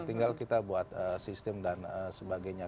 tinggal kita buat sistem dan sebagainya